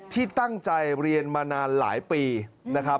ที่ตั้งใจเรียนมานานหลายปีนะครับ